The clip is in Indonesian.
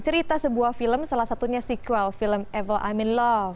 cerita sebuah film salah satunya sequel film evil i'm in love